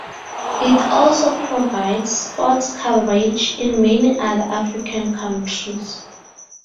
It also provides sports coverage in many other African countries.